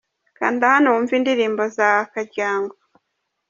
Kanda hano wumve indirimbo za Karyango.